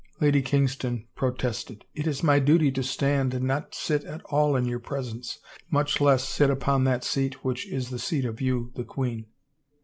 Lady Kingston protested. " It is my duty to stand, and not sit at all in your presence, much less sit upon that seat which is the seat of you, the queen."